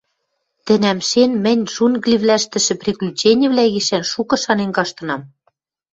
Тӹнӓмшен мӹнь джунгливлӓштӹшӹ приключенивлӓ гишӓн шукы шанен каштынам